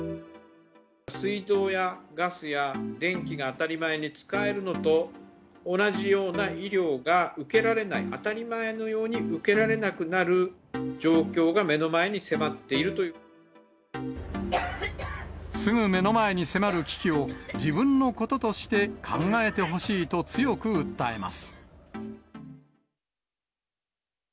水道やガスや電気が当たり前に使えるのと同じような医療が受けられない、当たり前のように受けられなくなる状況が目の前に迫っているといすぐ目の前に迫る危機を、自分のこととして考えてほしいと強く訴えます。